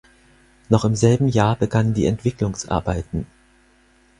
Noch im selben Jahr begannen die Entwicklungsarbeiten.